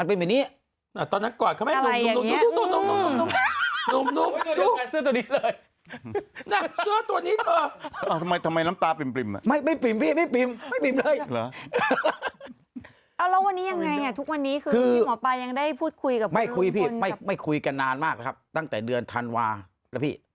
เนี่ยมันเป็นแบบนี้